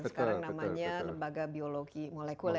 sekarang namanya lembaga biologi molekuler